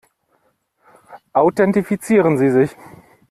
Authentifizieren Sie sich!